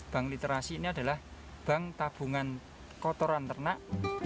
bank literasi ini adalah bank tabungan kotoran ternak